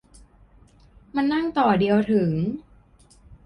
มันนั่งต่อเดียวถึง